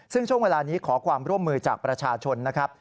ซึ่งช่วงเวลานี้ขอความร่วมมือจากประชาชนนะครับ